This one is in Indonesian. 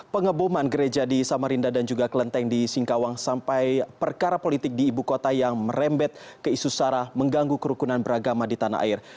pengeboman gereja di samarinda dan juga kelenteng di singkawang sampai perkara politik di ibu kota yang merembet ke isu sara mengganggu kerukunan beragama di tanah air